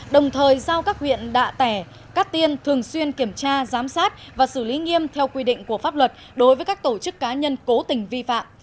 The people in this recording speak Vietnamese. đồng thời giao các huyện đạ tẻ cát tiên thường xuyên kiểm tra giám sát và xử lý nghiêm theo quy định của pháp luật đối với các tổ chức cá nhân cố tình vi phạm